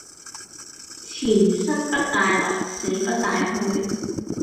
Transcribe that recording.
錢生不帶來死不帶去